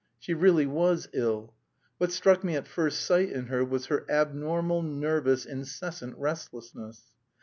She really was ill. What struck me at first sight in her was her abnormal, nervous, incessant restlessness.